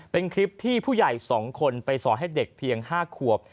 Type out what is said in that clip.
เป็นคลิปที่ผู้ใหญ่๒คนไปสอนให้เด็กเพียง๕ขวบ